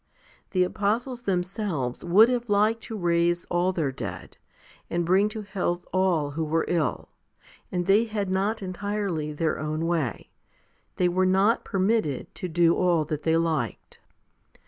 The apostles them selves would have liked to raise all their dead, and bring to health all who were ill, and they had not entirely their own way : they were not permitted to do all that they liked.